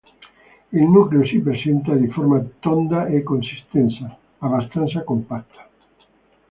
Il nucleo si presenta di forma tonda e consistenza abbastanza compatta.